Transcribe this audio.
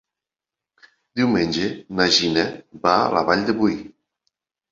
Diumenge na Gina va a la Vall de Boí.